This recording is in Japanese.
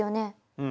うん。